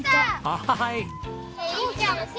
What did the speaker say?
はい。